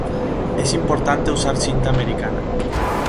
Es importante usar cinta americana